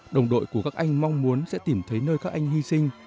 đồng đội của các anh mong muốn sẽ tìm thấy nơi các anh hy sinh